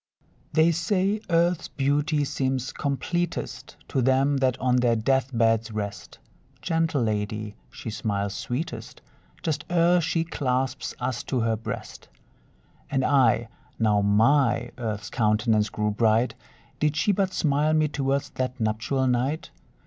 They say, Earth's beauty seems completest To them that on their death beds rest; Gentle lady! she smiles sweetest Just ere she clasps us to her breast. And I, now my Earth's countenance grew bright, Did she but smile me towards that nuptial night?